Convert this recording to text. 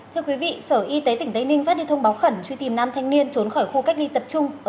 thưa quý vị sở y tế tỉnh tây ninh phát đi thông báo khẩn truy tìm năm thanh niên trốn khỏi khu cách ly tập trung ở huyện bến cầu